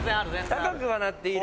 高くはなっている。